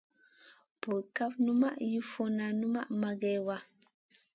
Burkaf numa yi funa numa mageya.